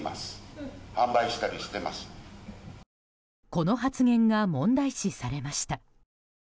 この発言が問題視されました。